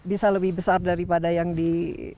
bisa lebih besar daripada yang di open pit